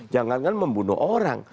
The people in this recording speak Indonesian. jangan kan membunuh orang